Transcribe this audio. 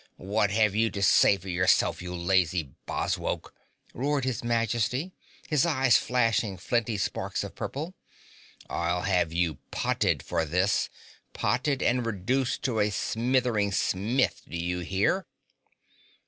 "What have you to say for yourself, you lazy Bozwokel?" roared His Majesty, his eyes flashing flinty sparks of purple. "I'll have you potted for this, potted and reduced to a smithering smith, do you hear?"